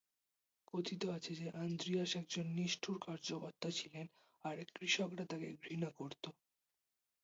কথিত আছে যে, আন্দ্রিয়াস একজন নিষ্ঠুর কার্যকর্তা ছিলেন আর কৃষকরা তাকে ঘৃণা করত।